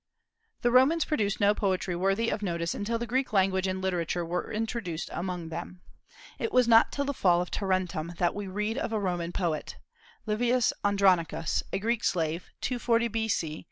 The Romans produced no poetry worthy of notice until the Greek language and literature were introduced among them. It was not till the fall of Tarentum that we read of a Roman poet. Livius Andronicus, a Greek slave, 240 B.C.